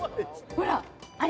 ほらあれ？